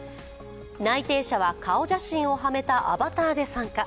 内定者は顔写真をはめたアバターで参加。